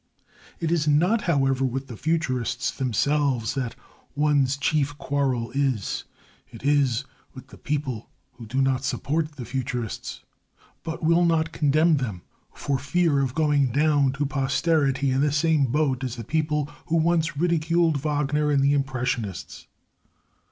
It is not, however, with the Futurists themselves that one's chief quarrel is. It is with the people who do not support the Futurists, but will not condemn them for fear of going down to posterity in the same boat as the people who once ridiculed Wagner and the Impressionists.